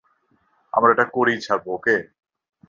আমরা এটা করেই ছাড়বো, ওকে?